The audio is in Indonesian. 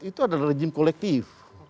itu adalah rejim kolektif